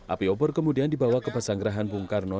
api obor kemudian dibawa ke pasanggerahan bung karno